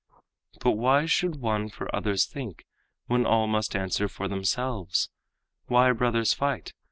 "But why should one for others think, when all Must answer for themselves? Why brothers fight?